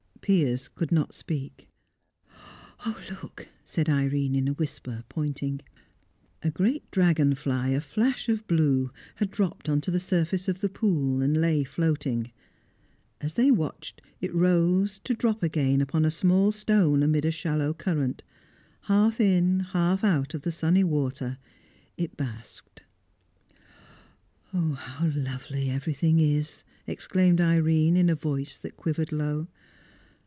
Piers could not speak. "Look!" said Irene, in a whisper, pointing. A great dragon fly, a flash of blue, had dropped on to the surface of the pool, and lay floating. As they watched it rose, to drop again upon a small stone amid a shallow current; half in, half out of, the sunny water, it basked. "Oh, how lovely everything is!" exclaimed Irene, in a voice that quivered low.